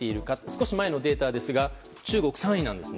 少し前のデータですが中国は３位なんです。